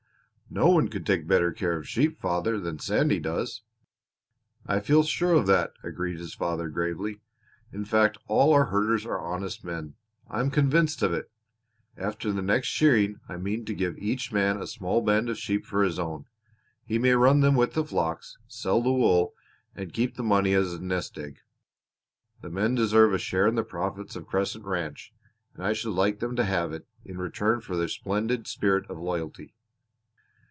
"No one could take better care of sheep, father, than Sandy does." "I feel sure of that," agreed his father, gravely. "In fact all our herders are honest men I am convinced of it. After the next shearing I mean to give to each man a small band of sheep for his own. He may run them with the flocks, sell the wool, and keep the money as a nest egg. The men deserve a share in the profits of Crescent Ranch and I should like them to have it in return for their splendid spirit of loyalty."